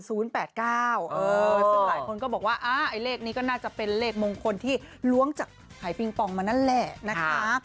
ซึ่งหลายคนก็บอกว่าไอ้เลขนี้ก็น่าจะเป็นเลขมงคลที่ล้วงจากหายปิงปองมานั่นแหละนะคะ